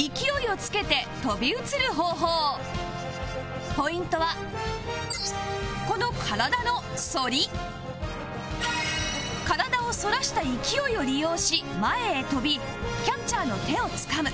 続いてはポイントはこの体の反り体を反らした勢いを利用し前へ飛びキャッチャーの手をつかむ